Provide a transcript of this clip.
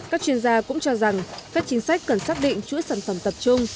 các chuyên gia cũng cho rằng các chính sách cần xác định chuỗi sản phẩm tập trung